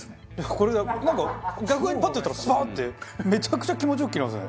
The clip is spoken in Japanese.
これはなんか逆側にパッといったらスパッてめちゃくちゃ気持ち良く切れますね。